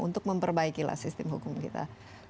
untuk memperbaikilah sistem hukum kita